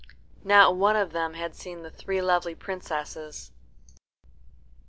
Not one of them had seen the three lovely princesses.